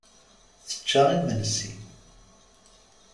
Tečča imensi.